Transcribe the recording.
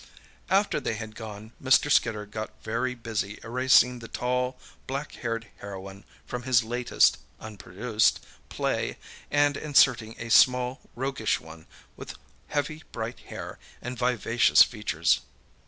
After they had gone Mr. Skidder got very busy erasing the tall, black haired heroine from his latest (unproduced) play and inserting a small, roguish one with heavy, bright hair and vivacious features.